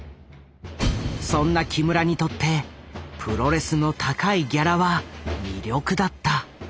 そんな木村にとってプロレスの高いギャラは魅力だった。